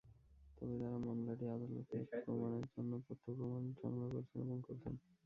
তবে তাঁরা মামলাটি আদালতের প্রমাণের জন্য তথ্য-প্রমাণ সংগ্রহ করেছেন এবং করছেন।